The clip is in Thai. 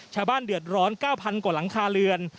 ชาวบ้านเดือดร้อน๙๐๐กว่าหลังคาเรือน